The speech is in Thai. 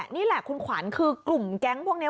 นี่แหละคุณขวัญคือกลุ่มแก๊งพวกนี้